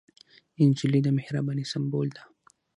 نجلۍ د مهربانۍ سمبول ده.